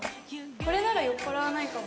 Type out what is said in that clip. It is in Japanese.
これなら酔っ払わないかも。